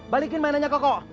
balikin mainannya koko